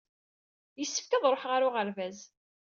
Yessefk ad ṛuḥeɣ ɣer uɣerbaz.